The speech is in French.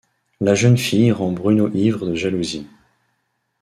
La jeune fille rend Bruno ivre de jalousie.